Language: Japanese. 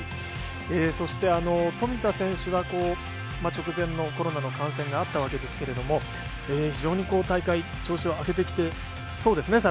そして、富田選手は直前のコロナの感染があったわけですけれども非常に大会調子を上げてきてそうですね。